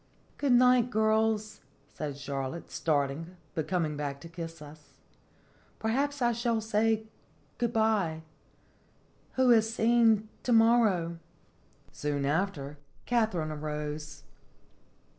"Good night, girls," said Charlotte, start ing, but coming back to kiss us. " Perhaps I should say good by. 'Who has seen to morrow?'" Soon after, Katharine rose.